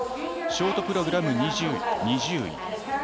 ショートプログラム、２０位。